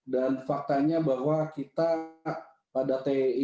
dan faktanya bahwa kita pada tei